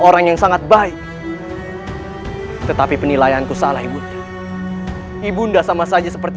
orang yang sangat baik tetapi penilaian ku salah ibu jiwanda sama saja seperti